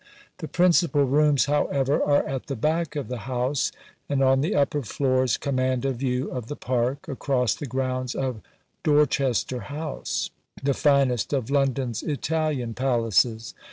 The principal rooms, however, are at the back of the house, and on the upper floors command a view of the Park, across the grounds of Dorchester House the finest of London's Italian "palaces."